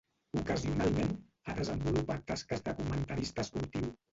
Ocasionalment, ha desenvolupat tasques de comentarista esportiu.